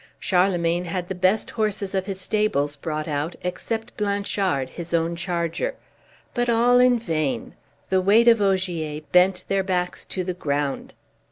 Charlemagne had the best horses of his stables brought out, except Blanchard, his own charger; but all in vain, the weight of Ogier bent their backs to the ground.